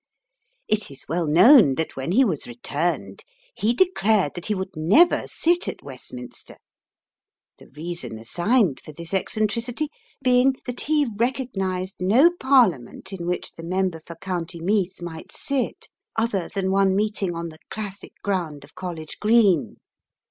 It is well known that when he was returned he declared that he would never sit at Westminster, the reason assigned for this eccentricity being that he recognised no Parliament in which the member for County Meath might sit other than one meeting of the classic ground of College Green.